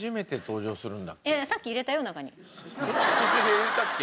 途中で入れたっけ？